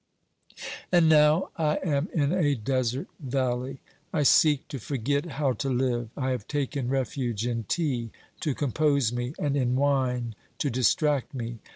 And now I am in a desert valley. I seek to forget how to live. I have taken refuge in tea to compose me, and in wine to distract me.